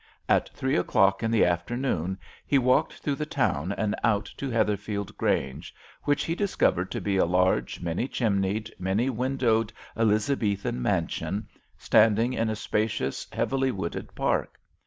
At three o'clock in the afternoon he walked through the town and out to Heatherfield Grange, which he discovered to be a large, many chimneyed, many windowed Elizabethan mansion, standing in a spacious, heavily wooded park.